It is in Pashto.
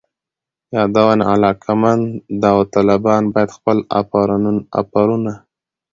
یادونه: علاقمند داوطلبان باید خپل آفرونه